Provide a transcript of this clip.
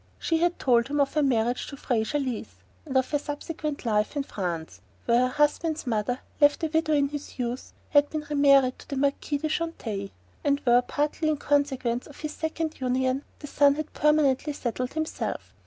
She had told him of her marriage to Fraser Leath, and of her subsequent life in France, where her husband's mother, left a widow in his youth, had been re married to the Marquis de Chantelle, and where, partly in consequence of this second union, the son had permanently settled himself.